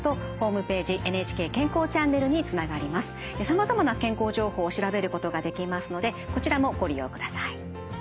さまざまな健康情報を調べることができますのでこちらもご利用ください。